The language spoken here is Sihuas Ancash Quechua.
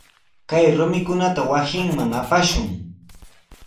Kay rumikunata wasinman apashun.